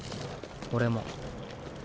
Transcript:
俺も。